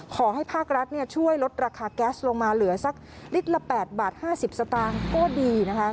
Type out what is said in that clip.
ขอให้ภาครัฐช่วยลดราคาแก๊สลงมาเหลือสักลิตรละ๘บาท๕๐สตางค์ก็ดีนะคะ